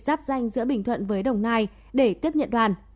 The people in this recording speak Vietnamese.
giáp danh giữa bình thuận với đồng nai để tiếp nhận đoàn